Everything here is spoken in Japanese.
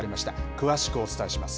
詳しくお伝えします。